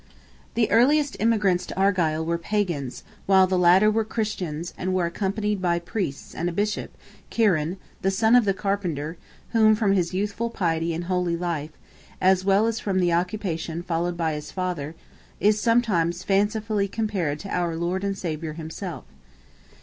The earliest emigrants to Argyle were Pagans, while the latter were Christians, and were accompanied by priests, and a bishop, Kieran, the son of the carpenter, whom, from his youthful piety and holy life, as well as from the occupation followed by his father, is sometimes fancifully compared to our Lord and Saviour himself.